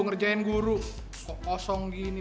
ngerjain guru kosong gini